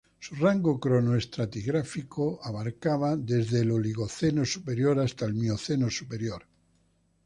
Su rango cronoestratigráfico abarcaba desde el Oligoceno superior hasta el Mioceno superior.